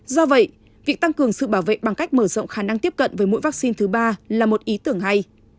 do vậy việc tăng cường sự bảo vệ bằng cách mở rộng khả năng tiếp cận với mỗi vaccine thứ ba là một ý tưởng hay